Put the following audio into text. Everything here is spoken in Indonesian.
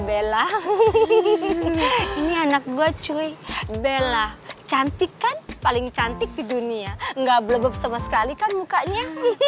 bella bella bella cantikkan paling cantik di dunia nggak blabub sama sekali kan mukanya